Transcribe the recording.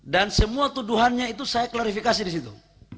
dan semua tuduhannya itu saya klarifikasi di situ